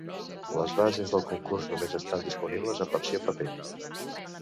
Les bases del concurs només estan disponibles en versió paper.